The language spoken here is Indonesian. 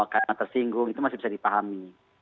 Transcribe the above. karena tersinggung itu masih bisa dipahami